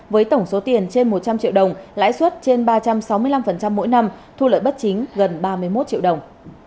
với tổng số tiền trên một trăm linh triệu đồng lãi suất trên ba trăm sáu mươi năm mỗi năm thu lợi bất chính gần ba mươi một triệu đồng